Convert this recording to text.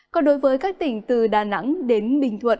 còn đối với các tỉnh từ đà nẵng đến bình thuận